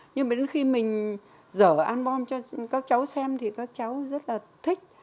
nhưng đến khi mình dở album cho các cháu xem thì các cháu rất là thích